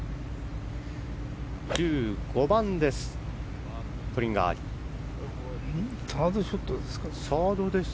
１５番です。